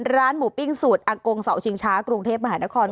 ร้านหมูปิ้งสูตรอากงเสาชิงช้ากรุงเทพมหานคร